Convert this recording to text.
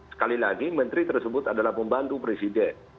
sekali lagi menteri tersebut adalah pembantu presiden